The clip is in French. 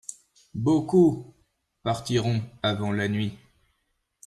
Beaucoup partiront avant la nuit.